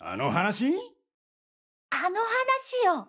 あの話よ！